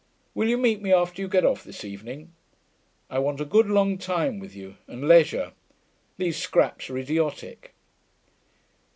Will you meet me after you get off this evening? I want a good long time with you, and leisure. These scraps are idiotic.'